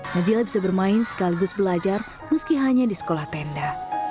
najila bisa bermain sekaligus belajar meski hanya di sekolah tenda